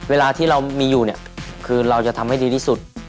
เวลาที่เรามีอยู่เนี่ยคือเราจะทำให้ดีที่สุด